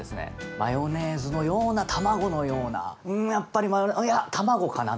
マヨネーズのような卵のようなんやっぱりマヨいや卵かな。